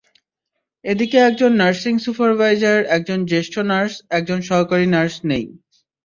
এদিকে একজন nursing supervisor, একজন জ্যেষ্ঠ নার্স, একজন সহকারী নার্স নেই।